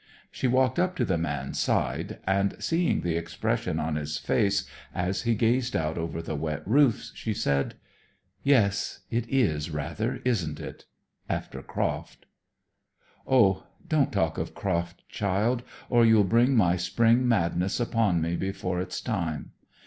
She walked up to the man's side, and, seeing the expression on his face as he gazed out over the wet roofs, she said "Yes, it is, rather isn't it? after Croft." "Oh, don't talk of Croft, child, or you'll bring my spring madness upon me before its time.